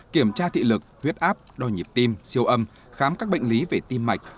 kiểm tra thị lực huyết áp đo nhịp tim siêu âm khám các bệnh lý về tim mạch